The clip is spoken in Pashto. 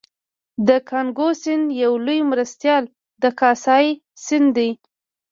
د کانګو سیند یو لوی مرستیال د کاسای سیند دی